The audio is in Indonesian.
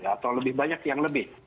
atau lebih banyak yang lebih